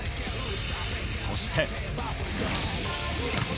そして。